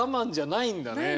ないんだね。